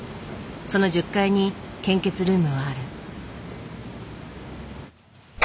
その１０階に献血ルームはある。